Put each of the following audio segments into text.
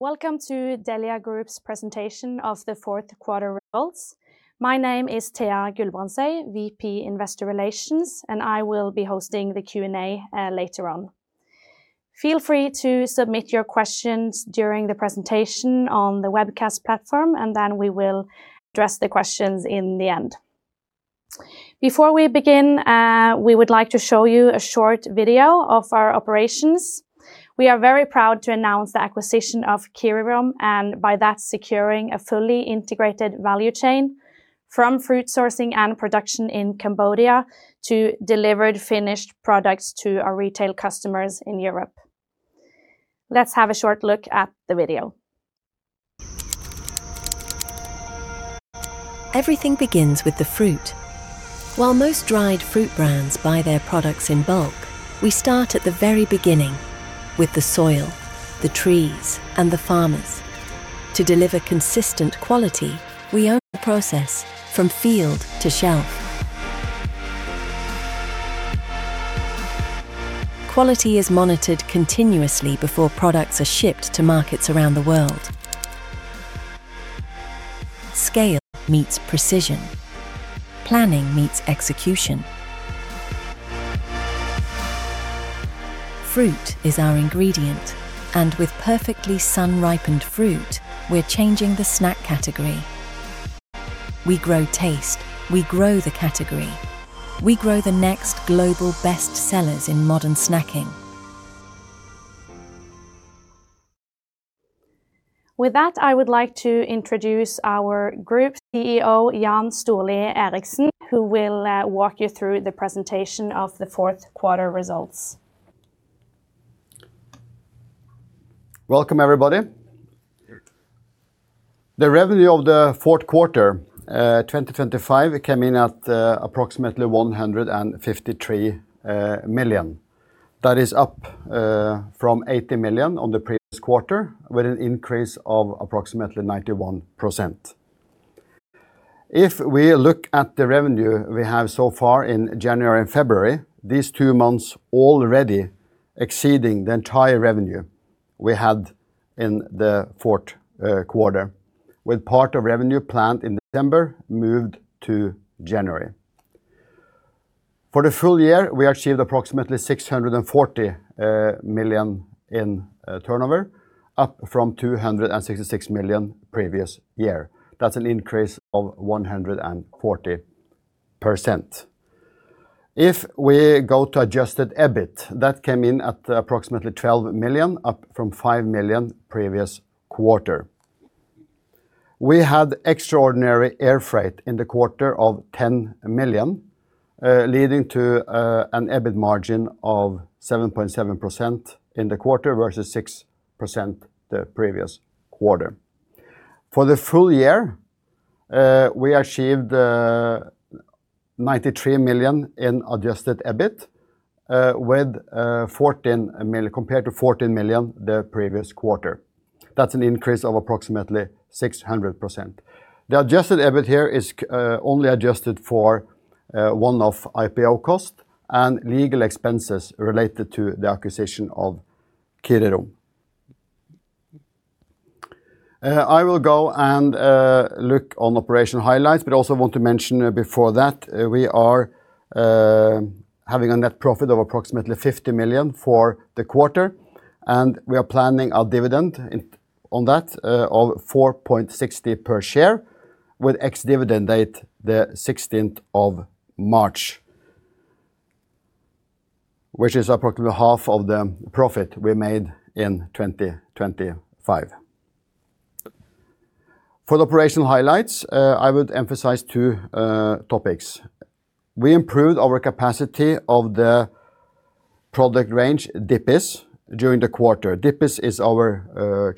Welcome to Dellia Group's presentation of the fourth quarter results. My name is Thea Guldbrandsøy, VP Investor Relations, and I will be hosting the Q&A later on. Feel free to submit your questions during the presentation on the webcast platform, and then we will address the questions in the end. Before we begin, we would like to show you a short video of our operations. We are very proud to announce the acquisition of Kirirom, and by that, securing a fully integrated value chain from fruit sourcing and production in Cambodia to delivered finished products to our retail customers in Europe. Let's have a short look at the video. Everything begins with the fruit. While most dried fruit brands buy their products in bulk, we start at the very beginning, with the soil, the trees, and the farmers. To deliver consistent quality, we own the process from field to shelf. Quality is monitored continuously before products are shipped to markets around the world. Scale meets precision, planning meets execution. Fruit is our ingredient, and with perfectly sun-ripened fruit, we're changing the snack category. We grow taste, we grow the category, we grow the next global best sellers in modern snacking. With that, I would like to introduce our Group CEO, Jan Storli Eriksen, who will walk you through the presentation of the fourth quarter results. Welcome, everybody. The revenue of the fourth quarter 2025, it came in at approximately 153 million. That is up from 80 million on the previous quarter, with an increase of approximately 91%. If we look at the revenue we have so far in January and February, these two months already exceeding the entire revenue we had in the fourth quarter, with part of revenue planned in December, moved to January. For the full year, we achieved approximately 640 million in turnover, up from 266 million previous year. That's an increase of 140%. If we go to adjusted EBIT, that came in at approximately 12 million, up from 5 million previous quarter. We had extraordinary air freight in the quarter of 10 million, leading to an EBIT margin of 7.7% in the quarter versus 6% the previous quarter. For the full year, we achieved 93 million in adjusted EBIT, compared to 14 million the previous quarter. That's an increase of approximately 600%. The adjusted EBIT here is only adjusted for one-off IPO cost and legal expenses related to the acquisition of Kirirom. I will go and look on operational highlights. Also want to mention before that, we are having a net profit of approximately 50 million for the quarter. We are planning our dividend in, on that, of 4.60 per share, with ex-dividend date, the 16th of March, which is approximately half of the profit we made in 2025. For the operational highlights, I would emphasize two topics. We improved our capacity of the product range Dippies during the quarter. Dippies is our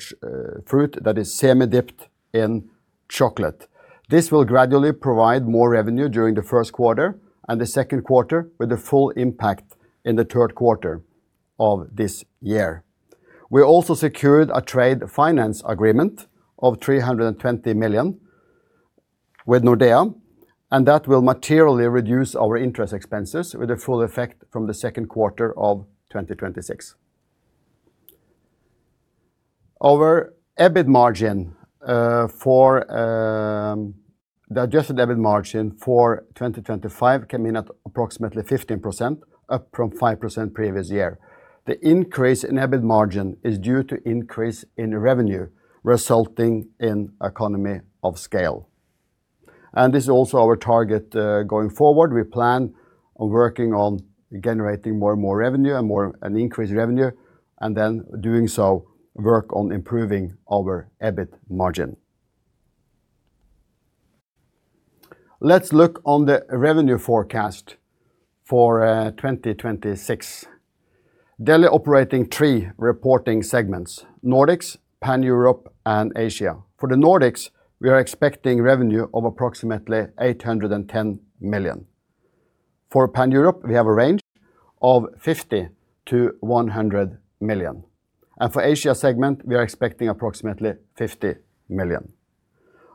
fruit that is semi-dipped in chocolate. This will gradually provide more revenue during the first quarter and the second quarter, with the full impact in the third quarter of this year. We also secured a trade finance agreement of 320 million with Nordea, that will materially reduce our interest expenses with a full effect from the second quarter of 2026. Our EBIT margin, for the adjusted EBIT margin for 2025 came in at approximately 15%, up from 5% previous year. The increase in EBIT margin is due to increase in revenue, resulting in economy of scale. This is also our target going forward. We plan on working on generating more and more revenue and an increased revenue, and then doing so, work on improving our EBIT margin. Let's look on the revenue forecast for 2026. Dellia operating three reporting segments: Nordics, Pan Europe, and Asia. For the Nordics, we are expecting revenue of approximately 810 million. For Pan Europe, we have a range of 50 million-100 million, and for Asia segment, we are expecting approximately 50 million.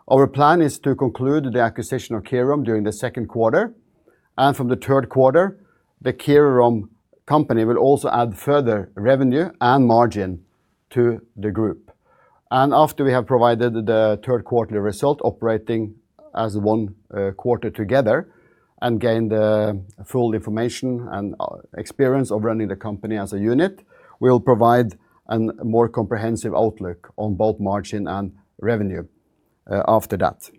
Our plan is to conclude the acquisition of Kirirom during the second quarter. From the third quarter, the Kirirom company will also add further revenue and margin to the group. After we have provided the third quarterly result, operating as one quarter together and gained full information and experience of running the company as a unit, we will provide an more comprehensive outlook on both margin and revenue after that.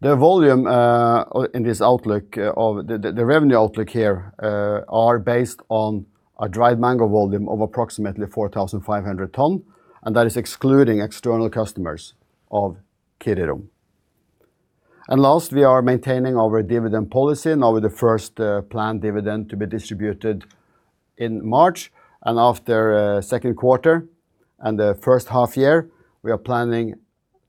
The volume in this outlook of the revenue outlook here are based on a dried mango volume of approximately 4,500 tons, and that is excluding external customers of Kirirom. Last, we are maintaining our dividend policy, now with the first planned dividend to be distributed in March. After second quarter and the first half year, we are planning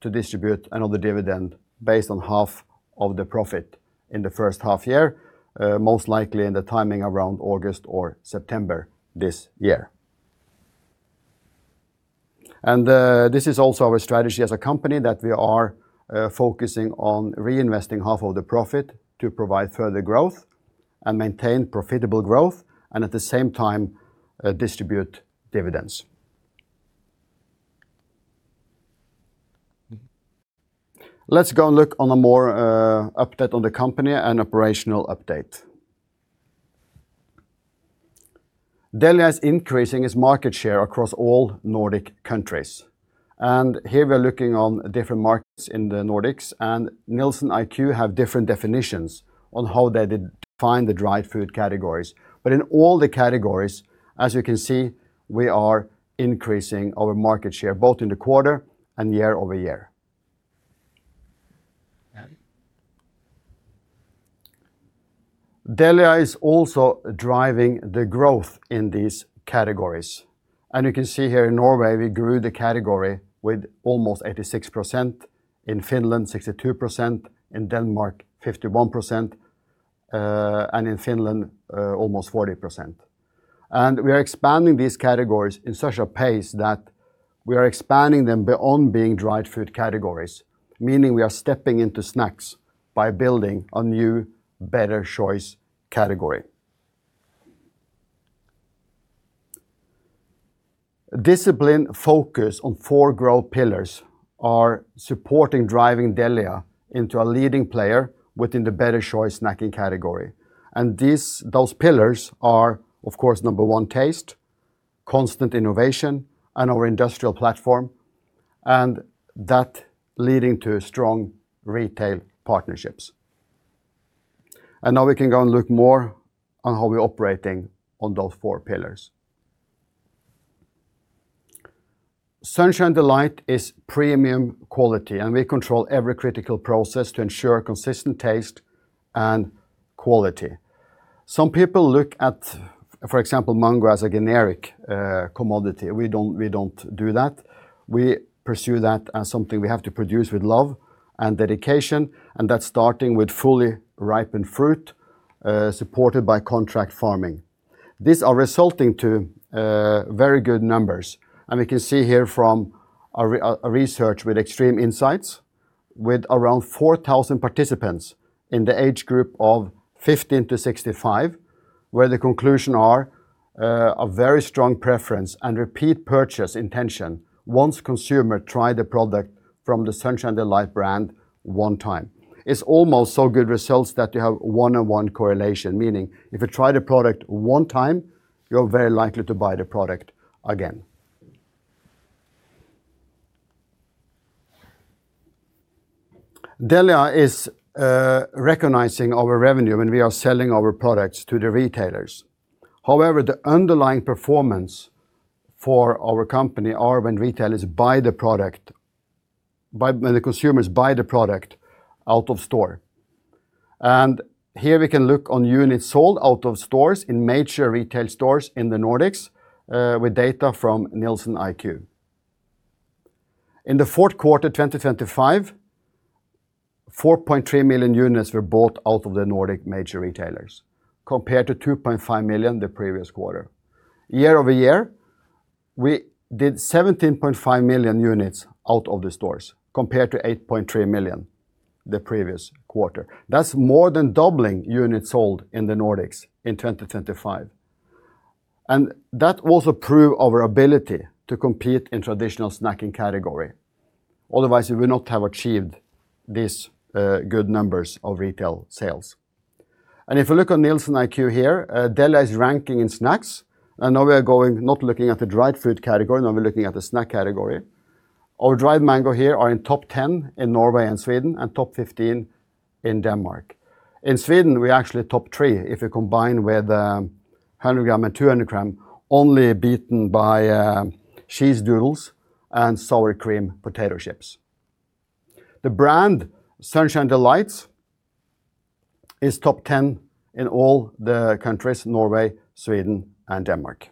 to distribute another dividend based on half of the profit in the first half year, most likely in the timing around August or September this year. This is also our strategy as a company, that we are focusing on reinvesting half of the profit to provide further growth and maintain profitable growth and at the same time, distribute dividends. Let's go and look on a more update on the company and operational update. Dellia is increasing its market share across all Nordic countries, and here we are looking on different markets in the Nordics, and NielsenIQ have different definitions on how they define the dried food categories. In all the categories, as you can see, we are increasing our market share, both in the quarter and year-over-year. Dellia is also driving the growth in these categories. You can see here in Norway, we grew the category with almost 86%, in Finland, 62%, in Denmark, 51%, and in Finland, almost 40%. We are expanding these categories in such a pace that we are expanding them beyond being dried food categories, meaning we are stepping into snacks by building a new, better choice category. Disciplined focus on four growth pillars are supporting driving Dellia into a leading player within the better choice snacking category. Those pillars are, of course, number one, taste, constant innovation, and our industrial platform, and that leading to strong retail partnerships. Now we can go and look more on how we're operating on those four pillars. Sunshine Delights is premium quality, and we control every critical process to ensure consistent taste and quality. Some people look at, for example, mango as a generic commodity. We don't do that. We pursue that as something we have to produce with love and dedication, and that's starting with fully ripened fruit supported by contract farming. These are resulting to very good numbers, and we can see here from a research with Xtreme Insight, with around 4,000 participants in the age group of 15-65, where the conclusion are a very strong preference and repeat purchase intention once consumer try the product from the Sunshine Delights brand one time. It's almost so good results that you have one-on-one correlation, meaning if you try the product one time, you're very likely to buy the product again. Dellia is recognizing our revenue when we are selling our products to the retailers. However, the underlying performance for our company are when retailers buy the product, when the consumers buy the product out of store. Here we can look on units sold out of stores in major retail stores in the Nordics with data from NielsenIQ. In the fourth quarter, 2025, 4.3 million units were bought out of the Nordic major retailers, compared to 2.5 million the previous quarter. Year-over-year, we did 17.5 million units out of the stores, compared to 8.3 million the previous quarter. That's more than doubling units sold in the Nordics in 2025, that also prove our ability to compete in traditional snacking category. Otherwise, we would not have achieved these good numbers of retail sales. If you look on NielsenIQ here, Dellia is ranking in snacks, now we are not looking at the dried food category. Now we're looking at the snack category. Our dried mango here are in top 10 in Norway and Sweden, and top 15 in Denmark. In Sweden, we are actually top three if you combine with 100 g and 200 g, only beaten by Cheez Doodles and sour cream potato chips. The brand Sunshine Delights is top 10 in all the countries, Norway, Sweden, and Denmark.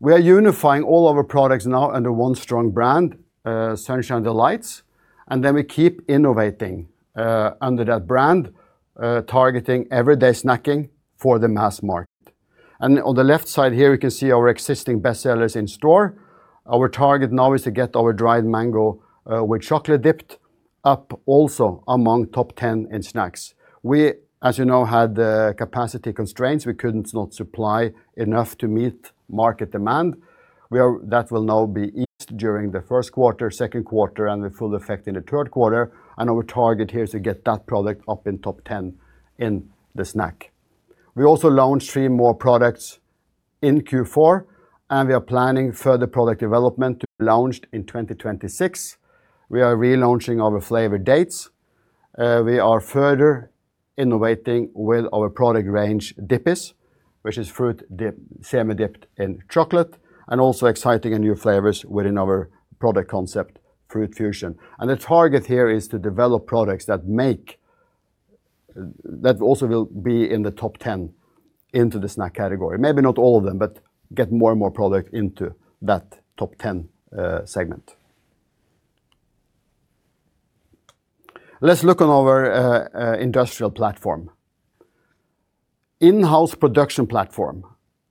We are unifying all our products now under one strong brand, Sunshine Delights. We keep innovating under that brand, targeting everyday snacking for the mass market. On the left side here, you can see our existing best sellers in store. Our target now is to get our dried mango with chocolate dipped up also among top 10 in snacks. We, as you know, had capacity constraints. We could not supply enough to meet market demand. That will now be eased during the first quarter, second quarter, and the full effect in the third quarter. Our target here is to get that product up in top 10 in the snack. We also launched three more products in Q4. We are planning further product development to be launched in 2026. We are relaunching our flavored dates. We are further innovating with our product range Dippies, which is fruit semi-dipped in chocolate, and also exciting and new flavors within our product concept, Fruit Fusion. The target here is to develop products that make, that also will be in the top 10 into the snack category. Maybe not all of them, but get more and more product into that top 10 segment. Let's look on our industrial platform. In-house production platform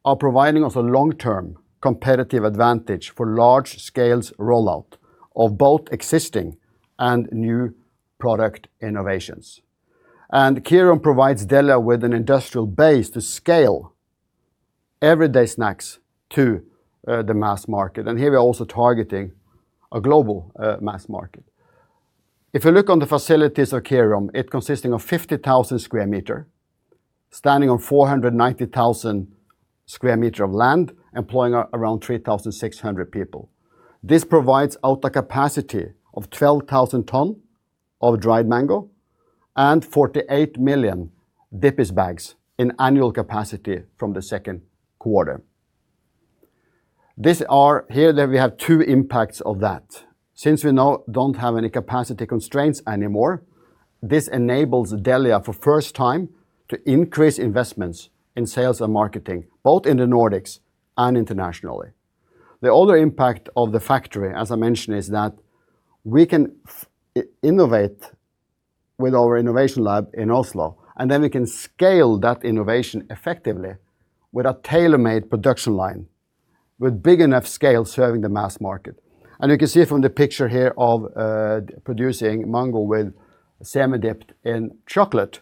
are providing us a long-term competitive advantage for large scales rollout of both existing and new product innovations. Kirirom provides Dellia with an industrial base to scale everyday snacks to the mass market, and here we are also targeting a global mass market. If you look on the facilities of Kirirom, it consisting of 50,000 sq m, standing on 490,000 sq m of land, employing around 3,600 people. This provides out a capacity of 12,000 tons of dried mango and 48 million Dippies bags in annual capacity from the second quarter. Here, that we have two impacts of that. Since we now don't have any capacity constraints anymore, this enables Dellia for first time to increase investments in sales and marketing, both in the Nordics and internationally. The other impact of the factory, as I mentioned, is that we can innovate with our innovation lab in Oslo, and then we can scale that innovation effectively with a tailor-made production line, with big enough scale serving the mass market. You can see from the picture here of producing mango with semi-dipped in chocolate,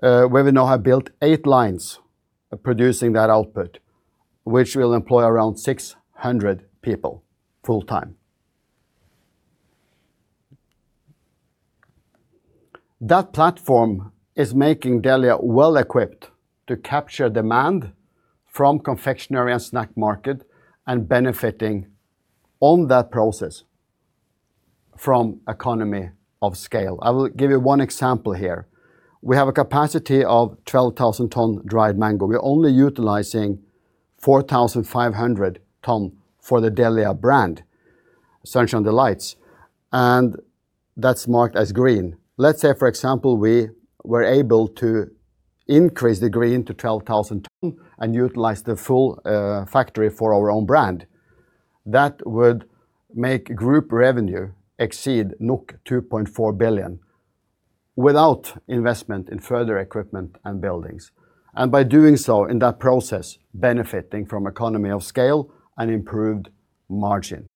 where we now have built eight lines producing that output, which will employ around 600 people full time. That platform is making Dellia well-equipped to capture demand from confectionery and snack market, and benefiting on that process from economy of scale. I will give you one example here. We have a capacity of 12,000 ton dried mango. We are only utilizing 4,500 ton for the Dellia brand, Sunshine Delights, and that's marked as green. Let's say, for example, we were able to increase the green to 12,000 ton and utilize the full factory for our own brand. That would make group revenue exceed 2.4 billion without investment in further equipment and buildings. By doing so, in that process, benefiting from economy of scale and improved margin.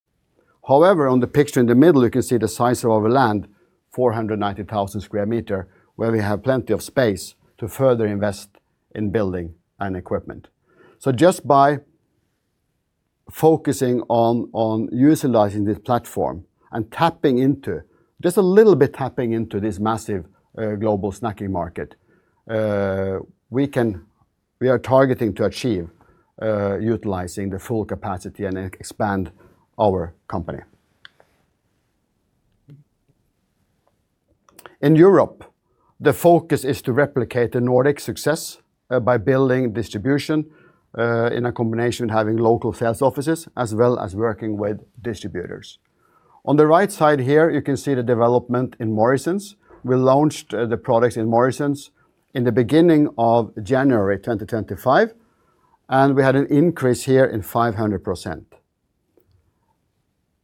On the picture in the middle, you can see the size of our land, 490,000 sq m, where we have plenty of space to further invest in building and equipment. Just by focusing on utilizing this platform and tapping into this massive global snacking market, we are targeting to achieve utilizing the full capacity and expand our company. In Europe, the focus is to replicate the Nordic success by building distribution in a combination of having local sales offices, as well as working with distributors. On the right side here, you can see the development in Morrisons. We launched the products in Morrisons in the beginning of January 2025. We had an increase here in 500%.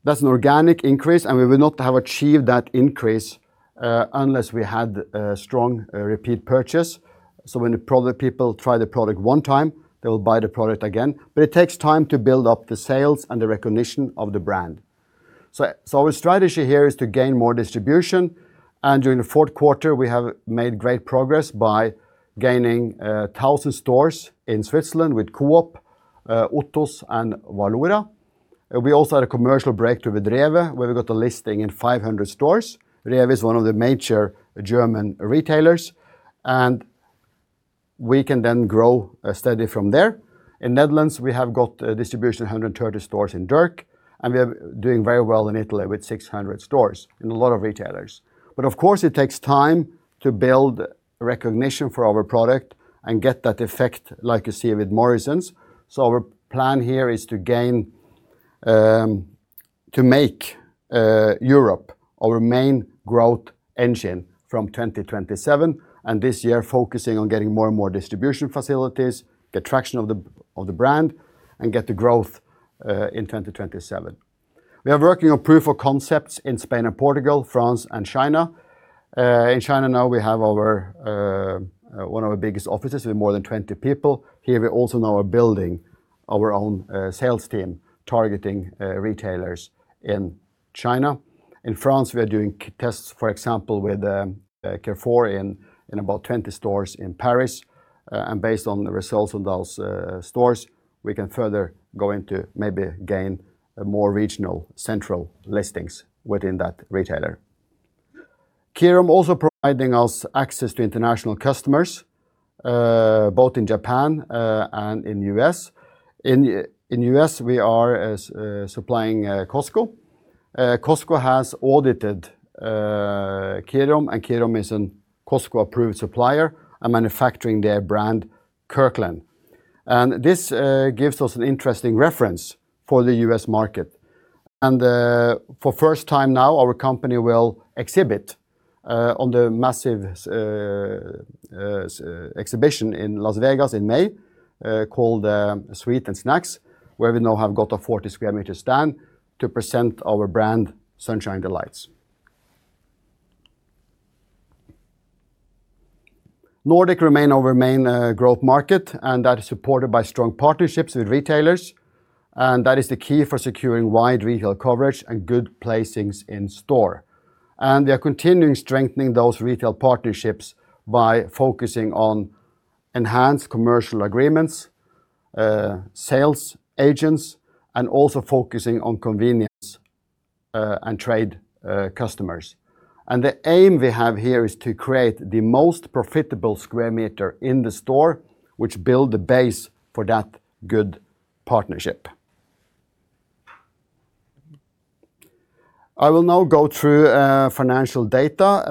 That's an organic increase. We would not have achieved that increase unless we had a strong repeat purchase. When people try the product one time, they will buy the product again. It takes time to build up the sales and the recognition of the brand. Our strategy here is to gain more distribution. During the fourth quarter, we have made great progress by gaining 1,000 stores in Switzerland with Coop, OTTO'S, and Valora. We also had a commercial breakthrough with REWE, where we got a listing in 500 stores. REWE is one of the major German retailers. We can then grow steady from there. In Netherlands, we have got distribution, 130 stores in Dirk. We are doing very well in Italy with 600 stores and a lot of retailers. Of course, it takes time to build recognition for our product and get that effect like you see with Morrisons. Our plan here is to gain to make Europe our main growth engine from 2027. This year, focusing on getting more and more distribution facilities, get traction of the brand, get the growth in 2027. We are working on proof of concepts in Spain and Portugal, France and China. In China now we have our one of our biggest offices with more than 20 people. Here we also now are building our own sales team, targeting retailers in China. In France, we are doing tests, for example, with Carrefour in about 20 stores in Paris. Based on the results of those stores, we can further go into maybe gain a more regional central listings within that retailer. Kirirom also providing us access to international customers, both in Japan, and in U.S. In U.S., we are supplying Costco. Costco has audited Kirirom, and Kirirom is an Costco-approved supplier and manufacturing their brand, Kirkland. This gives us an interesting reference for the U.S. market. For first time now, our company will exhibit on the massive exhibition in Las Vegas in May, called Sweet and Snacks, where we now have got a 40 sq m stand to present our brand, Sunshine Delights. Nordic remain our main growth market, and that is supported by strong partnerships with retailers, and that is the key for securing wide retail coverage and good placings in store. We are continuing strengthening those retail partnerships by focusing on enhanced commercial agreements, sales agents, and also focusing on convenience, and trade customers. The aim we have here is to create the most profitable square meter in the store, which build the base for that good partnership. I will now go through financial data,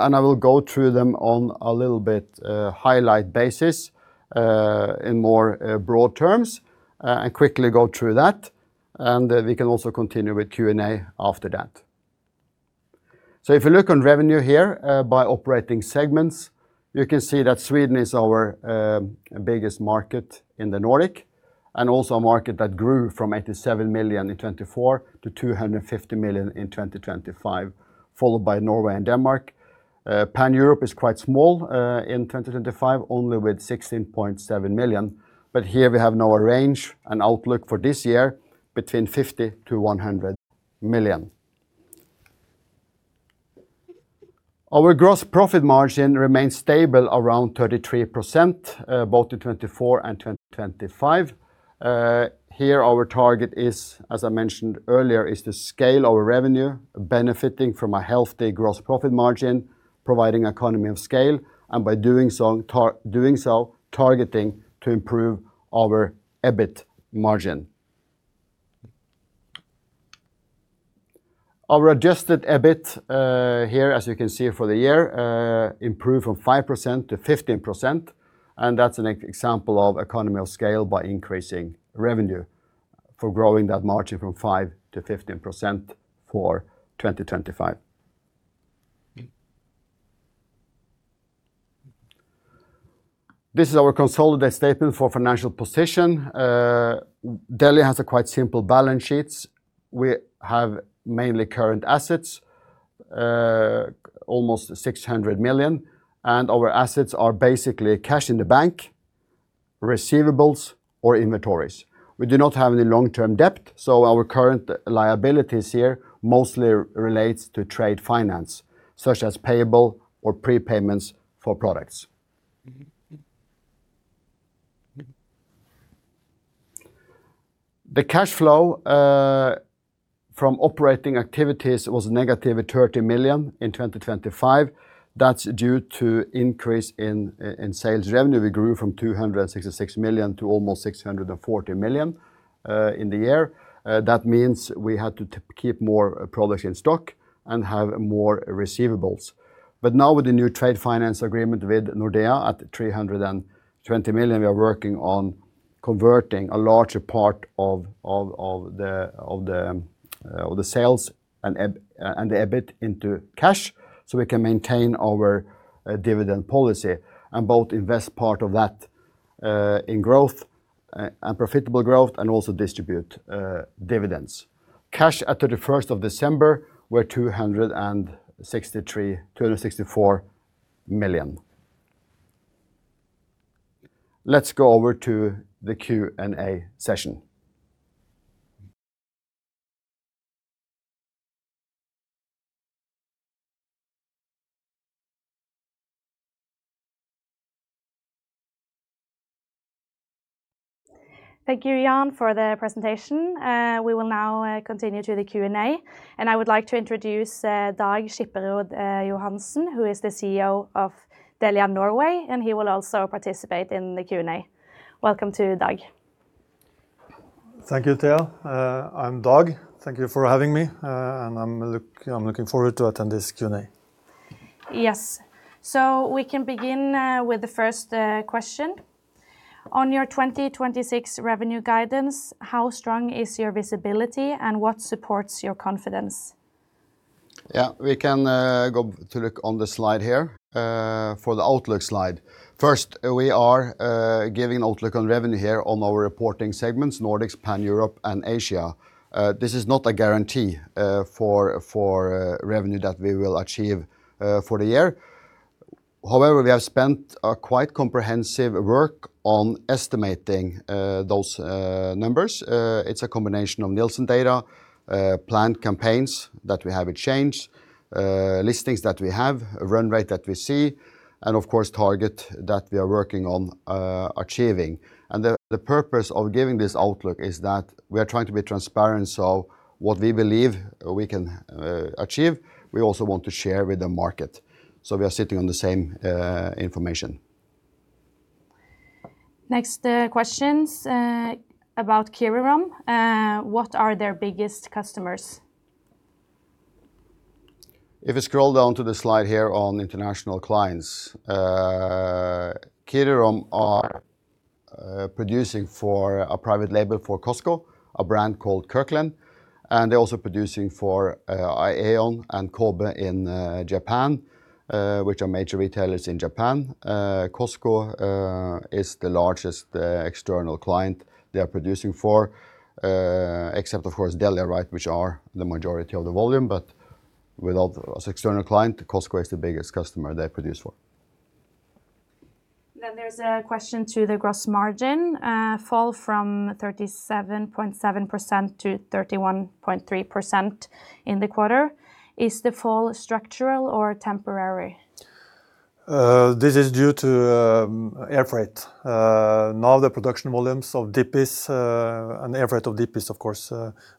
and I will go through them on a little bit highlight basis in more broad terms, and quickly go through that, and we can also continue with Q&A after that. If you look on revenue here, by operating segments, you can see that Sweden is our biggest market in the Nordic, and also a market that grew from 87 million in 2024 to 250 million in 2025, followed by Norway and Denmark. Pan-Europe is quite small in 2025, only with 16.7 million, but here we have now a range and outlook for this year between 50 million-100 million. Our gross profit margin remains stable around 33%, both in 2024 and 2025. Here, our target is, as I mentioned earlier, is to scale our revenue, benefiting from a healthy gross profit margin, providing economy of scale, and by doing so, targeting to improve our EBIT margin. Our adjusted EBIT, here, as you can see for the year, improved from 5%-15%. That's an example of economy of scale by increasing revenue for growing that margin from 5%-15% for 2025. This is our consolidated statement for financial position. Dellia has a quite simple balance sheets. We have mainly current assets, almost 600 million. Our assets are basically cash in the bank, receivables, or inventories. We do not have any long-term debt. Our current liabilities here mostly relates to trade finance, such as payable or prepayments for products. The cash flow from operating activities was -30 million in 2025. That's due to increase in sales revenue. We grew from 266 million to almost 640 million in the year. That means we had to keep more product in stock and have more receivables. Now with the new trade finance agreement with Nordea at 320 million, we are working on converting a larger part of the sales and the EBIT into cash, so we can maintain our dividend policy and both invest part of that in growth, and profitable growth, and also distribute dividends. Cash at the first of December were 263 million, 264 million. Let's go over to the Q&A session. Thank you, Jan, for the presentation. We will now continue to the Q&A, and I would like to introduce Dag Skipperud Johansen, who is the CEO of Dellia Norway, and he will also participate in the Q&A. Welcome to Dag. Thank you, Thea. I'm Dag. Thank you for having me. I'm looking forward to attend this Q&A. Yes. We can begin with the first question. On your 2026 revenue guidance, how strong is your visibility, and what supports your confidence? Yeah, we can go to look on the slide here for the outlook slide. First, we are giving an outlook on revenue here on our reporting segments, Nordics, Pan-Europe, and Asia. This is not a guarantee for revenue that we will achieve for the year. However, we have spent a quite comprehensive work on estimating those numbers. It's a combination of Nielsen data, planned campaigns that we have in change, listings that we have, run rate that we see, and of course, target that we are working on achieving. The purpose of giving this outlook is that we are trying to be transparent, so what we believe we can achieve, we also want to share with the market, so we are sitting on the same information. Next, questions about Kirirom. What are their biggest customers? If you scroll down to the slide here on international clients, Kirirom are producing for a private label for Costco, a brand called Kirkland, and they're also producing for Aeon and Kobe in Japan, which are major retailers in Japan. Costco is the largest external client they are producing for, except of course Dellia, right, which are the majority of the volume, but without external client, Costco is the biggest customer they produce for. There's a question to the gross margin, fall from 37.7% to 31.3% in the quarter. Is the fall structural or temporary? This is due to air freight. An air freight of Dippies, of course,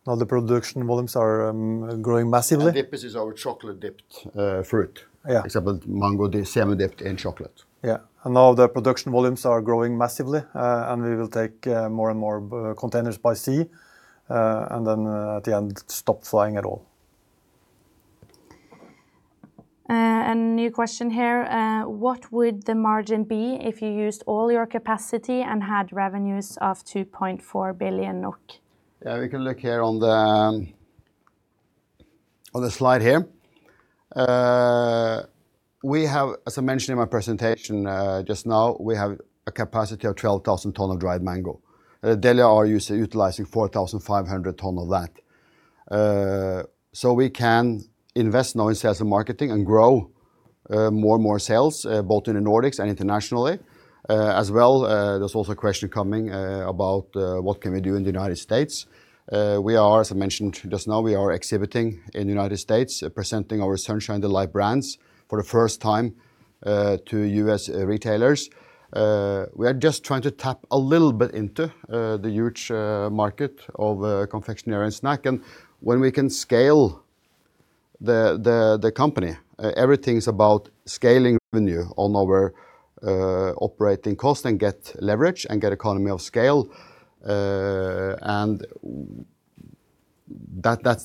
now the production volumes are growing massively. Dippies our chocolate-dipped fruit. Yeah. Except mango is semi-dipped in chocolate. Yeah, Now the production volumes are growing massively, and we will take more and more containers by sea, and then, at the end, stop flying at all. New question here, what would the margin be if you used all your capacity and had revenues of 2.4 billion NOK? Yeah, we can look here on the slide here. We have, as I mentioned in my presentation, just now, we have a capacity of 12,000 tons of dried mango. Dellia are utilizing 4,500 tons of that. We can invest now in sales and marketing and grow more and more sales both in the Nordics and internationally. As well, there's also a question coming about what can we do in the United States. We are, as I mentioned just now, we are exhibiting in the United States, presenting our Sunshine Delights brands for the first time to U.S. retailers. We are just trying to tap a little bit into the huge market of confectionery and snack. When we can scale the company, everything is about scaling revenue on our operating cost and get leverage and get economy of scale. That's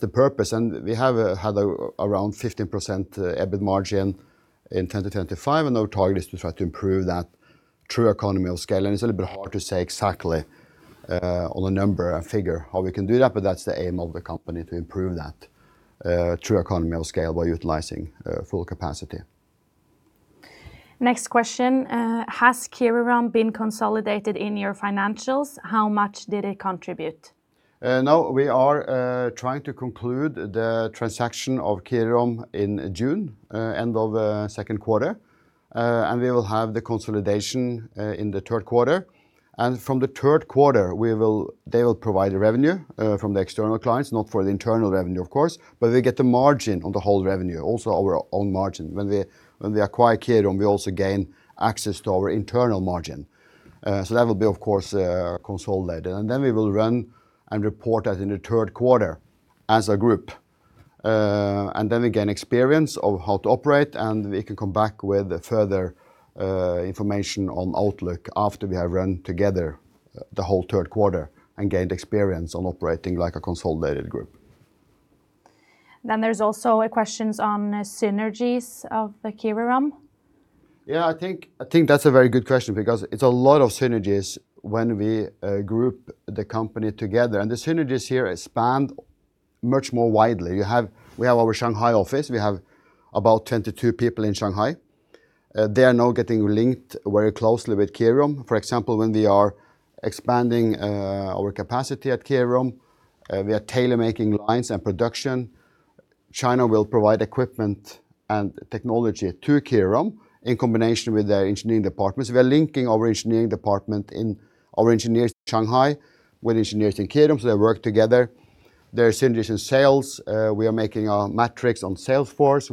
the purpose, and we have had a around 15% EBIT margin in 2025, and our target is to try to improve that through economy of scale. It's a little bit hard to say exactly, on the number or figure, how we can do that, but that's the aim of the company, to improve that, through economy of scale by utilizing full capacity. Next question, has Kirirom been consolidated in your financials? How much did it contribute? No, we are trying to conclude the transaction of Kirirom in June, end of second quarter. We will have the consolidation in the third quarter, and from the third quarter, they will provide the revenue from the external clients, not for the internal revenue, of course, but we get the margin on the whole revenue, also our own margin. When we acquire Kirirom, we also gain access to our internal margin. That will be, of course, consolidated, and then we will run and report that in the third quarter as a group. Then we gain experience of how to operate, and we can come back with further information on outlook after we have run together the whole third quarter and gained experience on operating like a consolidated group. Then there's also a questions on synergies of the Kirirom. Yeah, I think that's a very good question because it's a lot of synergies when we group the company together. The synergies here expand much more widely. We have our Shanghai office. We have about 22 people in Shanghai. They are now getting linked very closely with Kirirom. For example, when we are expanding our capacity at Kirirom, we are tailor-making lines and production. China will provide equipment and technology to Kirirom in combination with their engineering departments. We are linking our engineers in Shanghai with engineers in Kirirom, so they work together. There are synergies in sales. We are making metrics on Salesforce,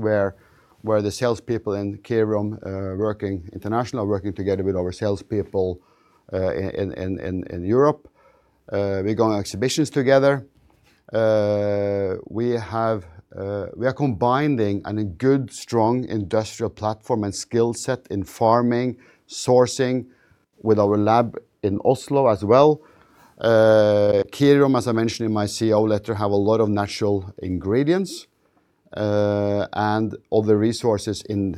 where the salespeople in Kirirom, working international, are working together with our salespeople in Europe. We go on exhibitions together. We are combining a good, strong industrial platform and skill set in farming, sourcing, with our lab in Oslo as well. Kirirom, as I mentioned in my CEO letter, have a lot of natural ingredients and other resources in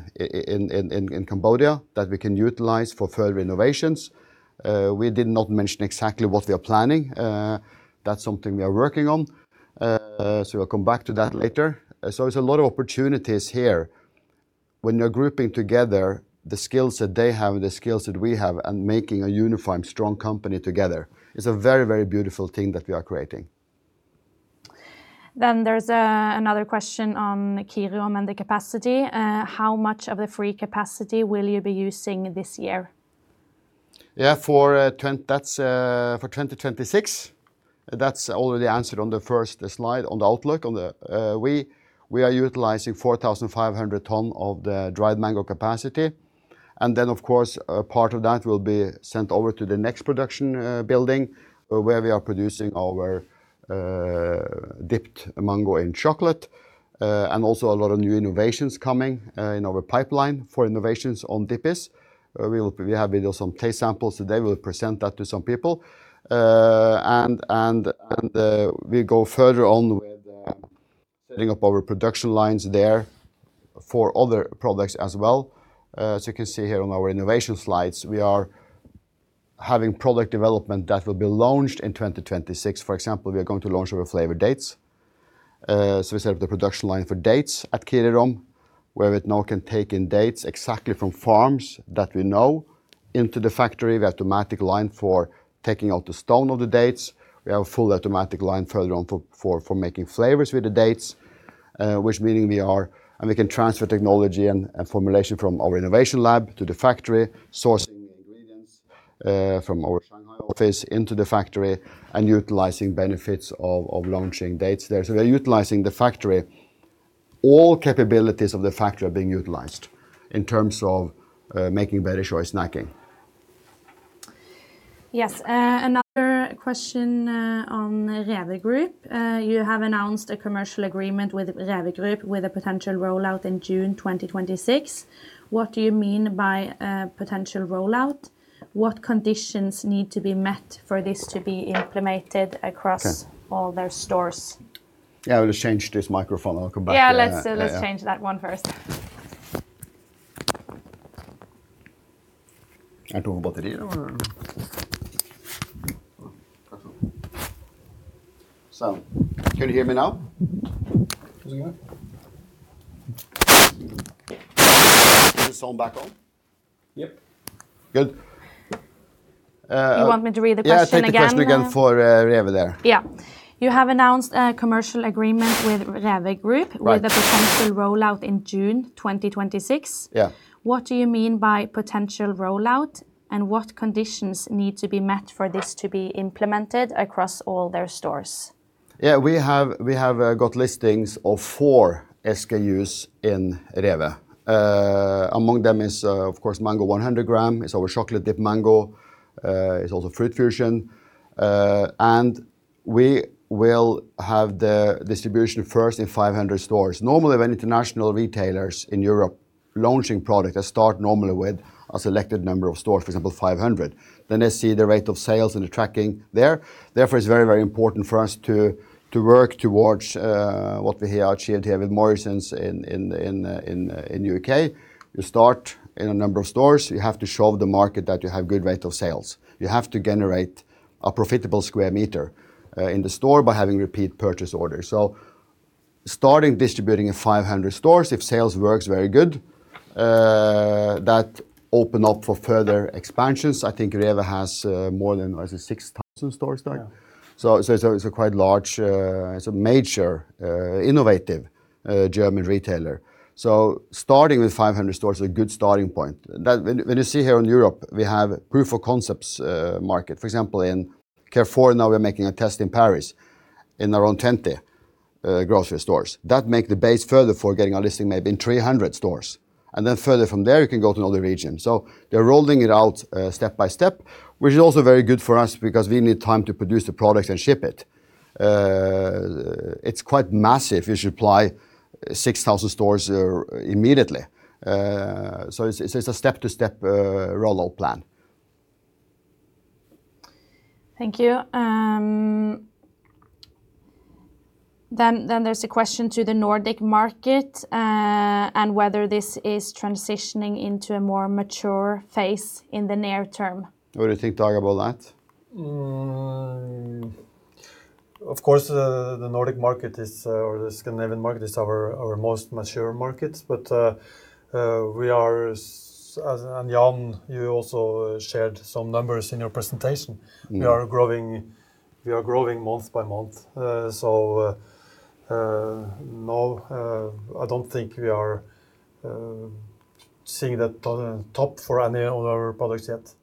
Cambodia that we can utilize for further innovations. We did not mention exactly what we are planning. That's something we are working on, so we'll come back to that later. There's a lot of opportunities here. When you're grouping together the skills that they have and the skills that we have, and making a unified, strong company together, it's a very, very beautiful thing that we are creating. There's another question on Kirirom and the capacity. "How much of the free capacity will you be using this year? Yeah, for 2026, that's already answered on the first slide, on the outlook. On the, we are utilizing 4,500 tons of the dried mango capacity, of course, a part of that will be sent over to the next production building where we are producing our dipped mango in chocolate. Also a lot of new innovations coming in our pipeline for innovations on Dippies. We have some taste samples today, we'll present that to some people. We go further on with setting up our production lines there for other products as well. As you can see here on our innovation slides, we are having product development that will be launched in 2026. For example, we are going to launch our flavored dates. We set up the production line for dates at Kirirom, where we now can take in dates exactly from farms that we know into the factory. We have automatic line for taking out the stone of the dates. We have a full automatic line further on for making flavors with the dates, which meaning. We can transfer technology and formulation from our innovation lab to the factory, sourcing the ingredients from our Shanghai office into the factory, and utilizing benefits of launching dates there. We are utilizing the factory. All capabilities of the factory are being utilized in terms of making better choice snacking. Yes, another question, on REWE Group. "You have announced a commercial agreement with REWE Group, with a potential rollout in June 2026. What do you mean by a potential rollout? What conditions need to be met for this to be implemented across- Okay all their stores? I will just change this microphone, and I'll come back to that. Yeah. Yeah, yeah. Let's change that one first. I don't want to do or? Can you hear me now? Mm-hmm. Is it on? Is the sound back on? Yep. Good. You want me to read the question again? Yeah, take the question again for REWE there. Yeah. "You have announced a commercial agreement with REWE Group- Right. With a potential rollout in June 2026. Yeah. What do you mean by potential rollout, and what conditions need to be met for this to be implemented across all their stores? Yeah, we have got listings of 4 SKUs in REWE. Among them is of course mango 100 g, is our chocolate-dipped mango, is also Fruit Fusion. We will have the distribution first in 500 stores. Normally, when international retailers in Europe launching product, they start normally with a selected number of stores, for example, 500. They see the rate of sales and the tracking there. Therefore, it's very important for us to work towards what we have achieved here with Morrisons in the U.K. You start in a number of stores. You have to show the market that you have good rate of sales. You have to generate a profitable square meter in the store by having repeat purchase order. Starting distributing in 500 stores, if sales works very good, that open up for further expansions. I think REWE has more than, what is it? 6,000 stores now. Yeah. It's a major, innovative German retailer. Starting with 500 stores is a good starting point. You see here in Europe, we have proof of concepts market. For example, in Carrefour, now we're making a test in Paris, in around 20 grocery stores. That make the base further for getting our listing maybe in 300 stores. Further from there, you can go to another region. They're rolling it out step by step, which is also very good for us because we need time to produce the products and ship it. It's quite massive if you supply 6,000 stores immediately. It's a step-to-step rollout plan. Thank you. Then there's a question to the Nordic market, whether this is transitioning into a more mature phase in the near term. What do you think, Dag, about that? Of course, the Nordic market is, or the Scandinavian market, is our most mature market, but Jan, you also shared some numbers in your presentation. We are growing month by month. No, I don't think we are seeing that on the top for any of our products yet.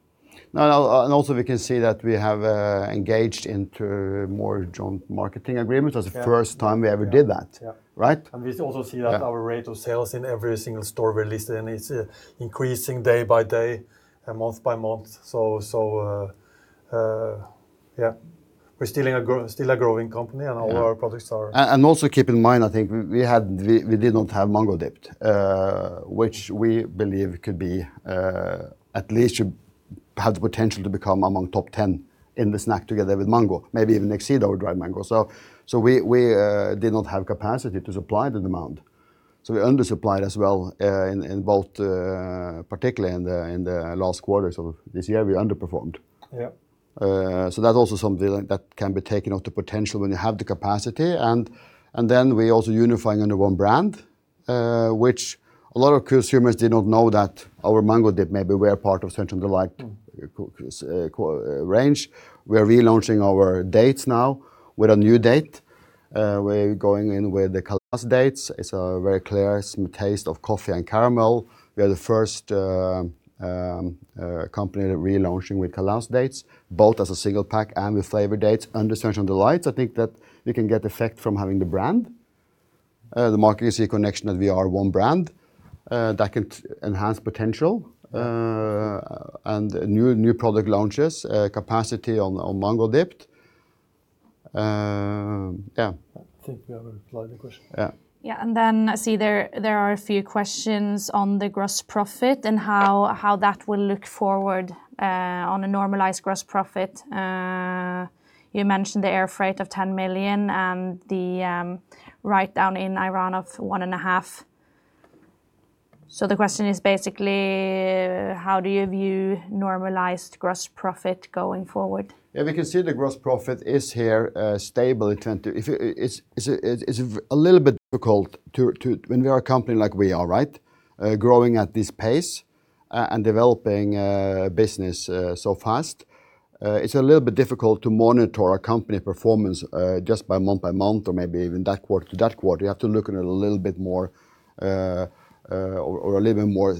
No, no, we can see that we have engaged into more joint marketing agreement. Yeah. That's the first time we ever did that. Yeah Right? we also see. Yeah Our rate of sales in every single store we're listed in, it's increasing day by day and month by month. Yeah, we're still a growing company, and all our products are? Also keep in mind, I think we did not have mango dipped, which we believe could be, at least should have the potential to become among top 10 in the snack together with mango, maybe even exceed our dried mango. We did not have capacity to supply the demand, so we undersupplied as well, in both, particularly in the last quarter. This year we underperformed. Yeah. That's also something that can be taken off the potential when you have the capacity. We also unifying under one brand, which a lot of consumers did not know that our mango dip maybe were part of Sunshine Delights range. We are relaunching our dates now with a new date. We're going in with the Kalmi dates. It's a very clear, smooth taste of coffee and caramel. We are the first company that relaunching with Kalmi dates, both as a single pack and with flavored dates under Sunshine Delights. I think that we can get effect from having the brand. The market is a connection that we are one brand that can enhance potential and new product launches, capacity on mango dipped. Yeah. I think we have a follow-up question. Yeah. I see there are a few questions on the gross profit and how that will look forward, on a normalized gross profit. You mentioned the air freight of 10 million and the write-down in Iran of 1.5 million. The question is basically, how do you view normalized gross profit going forward? Yeah, we can see the gross profit is here, stable in twenty. It's a little bit difficult to when we are a company like we are, right? Growing at this pace, and developing a business so fast, it's a little bit difficult to monitor our company performance just by month by month, or maybe even that quarter to that quarter. You have to look at it a little bit more, or a little more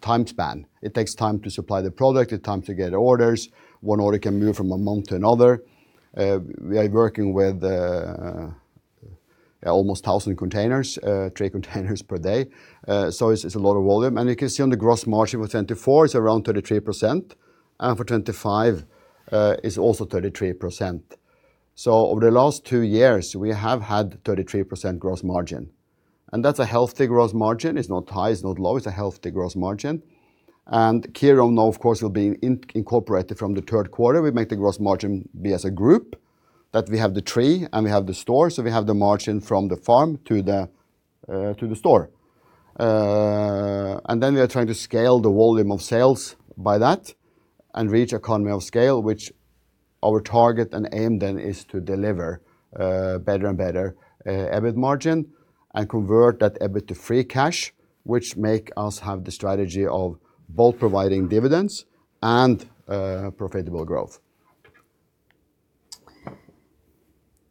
time span. It takes time to supply the product, it take time to get orders. One order can move from a month to another. We are working with almost 1,000 containers, three containers per day. It's a lot of volume. You can see on the gross margin for 2024, it's around 33%, and for 2025, it's also 33%. Over the last two years, we have had 33% gross margin, and that's a healthy gross margin. It's not high, it's not low, it's a healthy gross margin. Kirirom, now, of course, will be incorporated from the third quarter. We make the gross margin be as a group, that we have the tree, and we have the store, so we have the margin from the farm to the store. We are trying to scale the volume of sales by that and reach economy of scale, which our target and aim then is to deliver, better and better EBIT margin and convert that EBIT to free cash, which make us have the strategy of both providing dividends and profitable growth.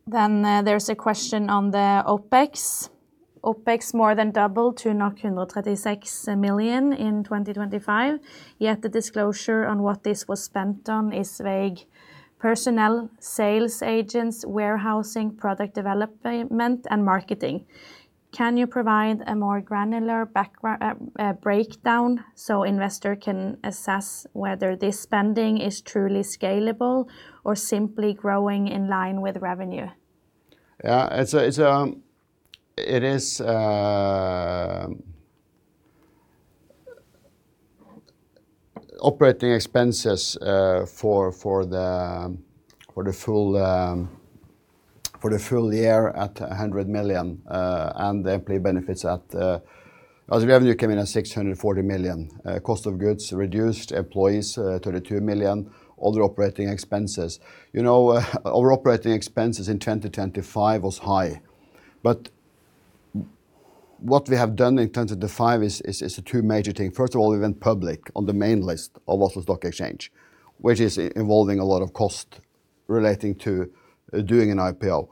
There's a question on the OpEx. OpEx more than doubled to 136 million in 2025, yet the disclosure on what this was spent on is vague. Personnel, sales agents, warehousing, product development, and marketing. Can you provide a more granular breakdown, so investor can assess whether this spending is truly scalable or simply growing in line with revenue? Yeah, it's a, it is operating expenses for the full year at 100 million, and the employee benefits as revenue came in at 640 million. Cost of goods reduced, employees, 32 million, other operating expenses. You know, our operating expenses in 2025 was high, but what we have done in 2025 is two major things. First of all, we went public on the main list of Oslo Stock Exchange, which is involving a lot of cost relating to doing an IPO.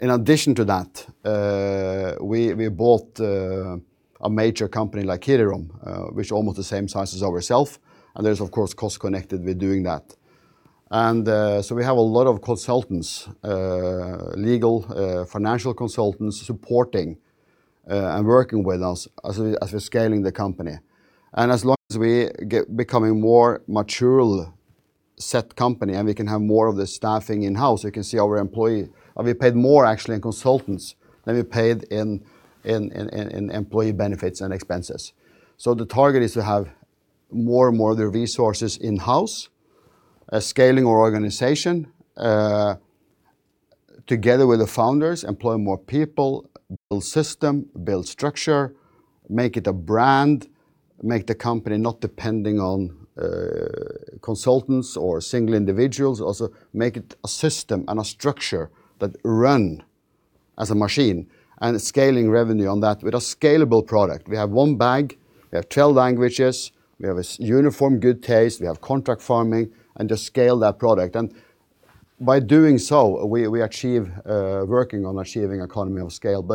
In addition to that, we bought a major company like Kirirom, which almost the same size as ourself, and there's, of course, cost connected with doing that. We have a lot of consultants, legal, financial consultants supporting and working with us as we're scaling the company. As long as we get becoming more mature set company, and we can have more of the staffing in-house, we can see our we paid more actually in consultants than we paid in employee benefits and expenses. The target is to have more and more of the resources in-house, scaling our organization, together with the founders, employ more people, build system, build structure, make it a brand, make the company not depending on consultants or single individuals. Also, make it a system and a structure that run as a machine, and scaling revenue on that with a scalable product. We have one bag, we have 12 languages, we have a uniform good taste, we have contract farming, and just scale that product. By doing so, we achieve working on achieving economy of scale.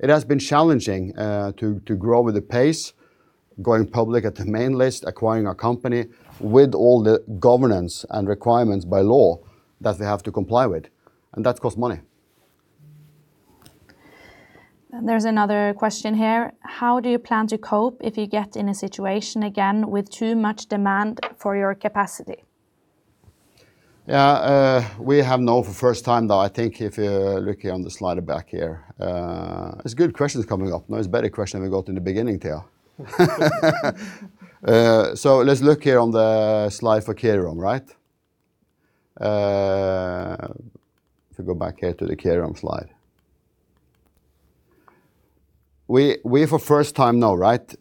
It has been challenging to grow with the pace, going public at the main list, acquiring a company with all the governance and requirements by law that they have to comply with, and that costs money. There's another question here: How do you plan to cope if you get in a situation again with too much demand for your capacity? Yeah, we have known for the first time, though, I think if you're looking on the slide back here, it's good questions coming up. Now, it's better question than we got in the beginning, Thea. So let's look here on the slide for Kirirom, right? If we go back here to the Kirirom slide. We have a first time now, right?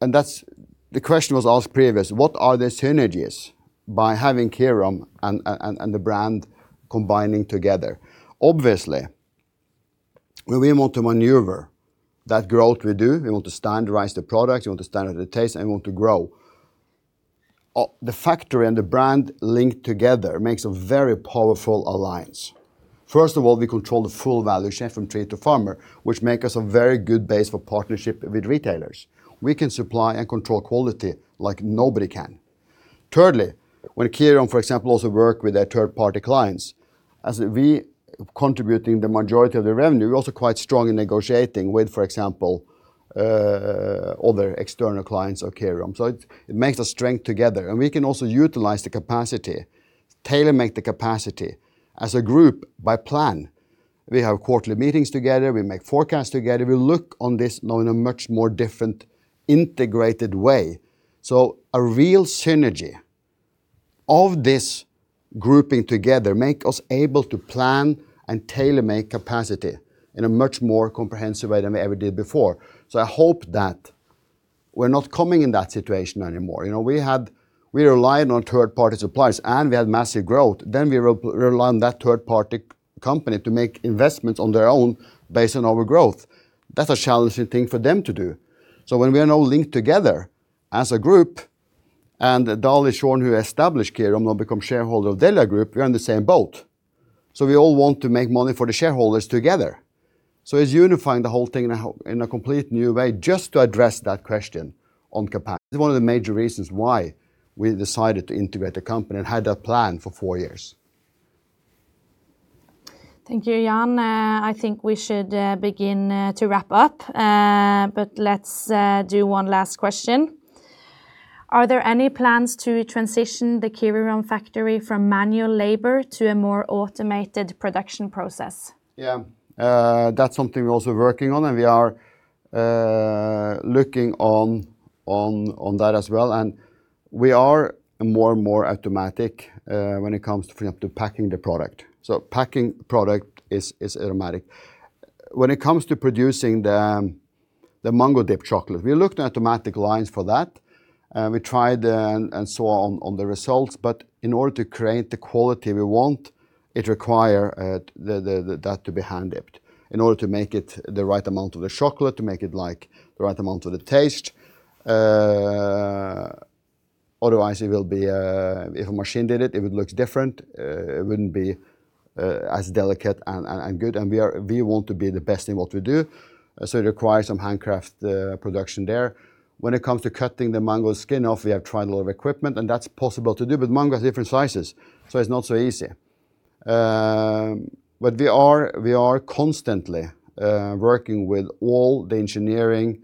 That's, the question was asked previous, what are the synergies by having Kirirom and the brand combining together? Obviously, we want to maneuver that growth we do. We want to standardize the product, we want to standardize the taste, and we want to grow. The factory and the brand linked together makes a very powerful alliance. First of all, we control the full value chain from tree to farmer, which make us a very good base for partnership with retailers. We can supply and control quality like nobody can. Thirdly, when Kirirom, for example, also work with their third-party clients, as we contributing the majority of the revenue, we're also quite strong in negotiating with, for example, other external clients of Kirirom. It makes us strength together, and we can also utilize the capacity, tailor-make the capacity as a group by plan. We have quarterly meetings together, we make forecasts together, we look on this now in a much more different, integrated way. A real synergy of this grouping together make us able to plan and tailor-make capacity in a much more comprehensive way than we ever did before. I hope that we're not coming in that situation anymore. You know, we relied on third-party suppliers, we had massive growth. We rely on that third-party company to make investments on their own based on our growth. That's a challenging thing for them to do. When we are now linked together as a group, and Dale and Sean, who established Kirirom, now become shareholder of Dellia Group, we're in the same boat. We all want to make money for the shareholders together. It's unifying the whole thing in a complete new way, just to address that question on capacity. It's one of the major reasons why we decided to integrate the company and had that plan for four years. Thank you, Jan. I think we should begin to wrap up. Let's do one last question. Are there any plans to transition the Kirirom factory from manual labor to a more automated production process? Yeah. That's something we're also working on, and we are looking on that as well, and we are more and more automatic when it comes to, for example, to packing the product. Packing product is automatic. When it comes to producing the mango dip chocolate, we looked at automatic lines for that. We tried and so on the results. In order to create the quality we want, it require that to be hand-dipped in order to make it the right amount of the chocolate, to make it, like, the right amount of the taste. Otherwise, it will be. If a machine did it would look different. It wouldn't be as delicate and good, and we want to be the best in what we do, so it requires some handcraft production there. When it comes to cutting the mango skin off, we have tried a lot of equipment, and that's possible to do, but mango has different sizes, so it's not so easy. We are constantly working with all the engineering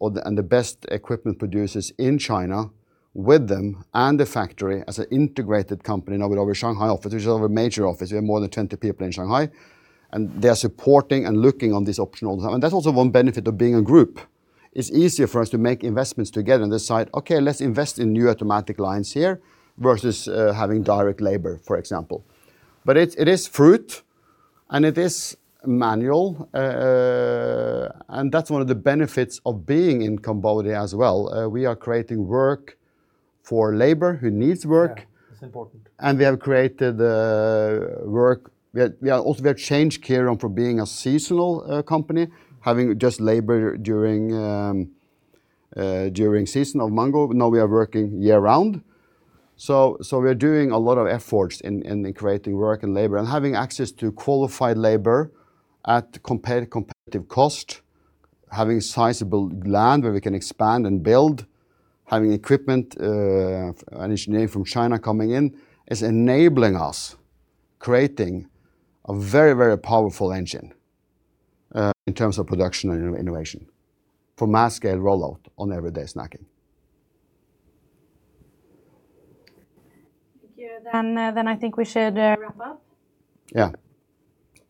or the, and the best equipment producers in China with them and the factory as an integrated company now with our Shanghai office, which is our major office. We have more than 20 people in Shanghai, they are supporting and looking on this option all the time. That's also one benefit of being a group. It's easier for us to make investments together and decide, "Okay, let's invest in new automatic lines here," versus, having direct labor, for example. It is fruit, and it is manual, and that's one of the benefits of being in Cambodia as well. We are creating work for labor who needs work. Yeah, it's important. We have created work. We have also changed Kirirom from being a seasonal company, having just labor during season of mango. Now we are working year-round. We are doing a lot of efforts in creating work and labor, and having access to qualified labor at competitive cost, having sizable land where we can expand and build, having equipment and engineering from China coming in, is enabling us, creating a very, very powerful engine in terms of pro.duction and in-innovation for mass-scale rollout on everyday snacking. Thank you. Then I think we should wrap up. Yeah.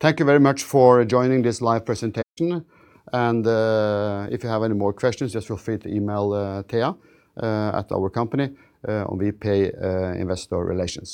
Thank you very much for joining this live presentation. If you have any more questions, just feel free to email, Thea, at our company, on VP Investor Relations.